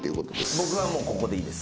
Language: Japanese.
僕はもうここでいいです。